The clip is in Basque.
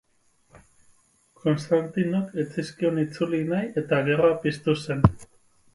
Konstantinok ez zizkion itzuli nahi, eta gerra piztu zen.